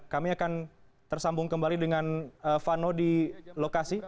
kami akan tersambung kembali dengan vano di lokasi